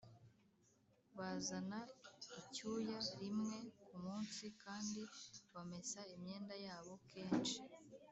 Bazana icyuya rimwe ku munsi kandi bamesa imyenda yabo kenshi.